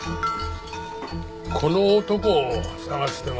この男を捜してます。